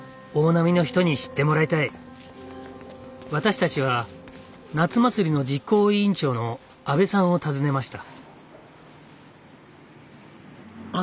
私たちは夏祭りの実行委員長の阿部さんを訪ねました。